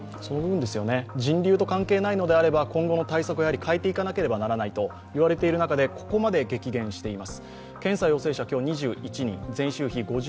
人流と関係ないのであれば、今後の対策を変えていかなければならないと言われている中で、ここまで激減しています。